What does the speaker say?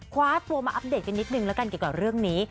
คว้าตัวมาอัปเดตกันนิดนึงแล้วกันเกี่ยวกับเรื่องนี้